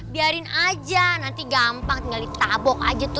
biarin aja nanti gampang tinggal ditabok aja tuh